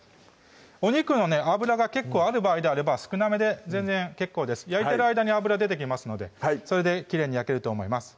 お肉の脂が結構ある場合であれば少なめで全然結構です焼いてる間に脂出てきますのでそれできれいに焼けると思います